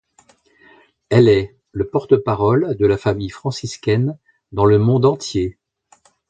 Elle est le porte-parole de la Famille franciscaine dans le monde entier.